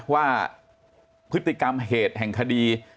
ว่าพฤติกรรมเหตุแห่งคดี